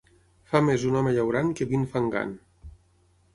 Fa més un home llaurant que vint fangant.